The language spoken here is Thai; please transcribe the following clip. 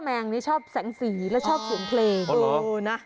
แมงนี้ชอบแสงสีและชอบสูงเพลง